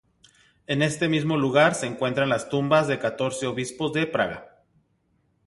En este mismo lugar se encuentran las tumbas de catorce obispos de Praga.